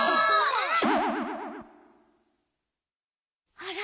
あら？